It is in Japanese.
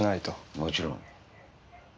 もちろん。